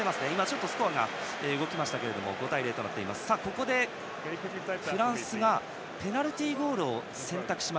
ここで、フランスがペナルティーゴールを選択。